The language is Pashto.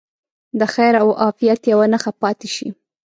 د خیر او عافیت یوه نښه پاتې شي.